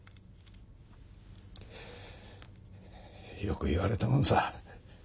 よく言われたもんさ。